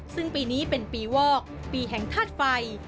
ซึ่งปีนี้เป็นปีวอกปีแห่งธาตุไฟ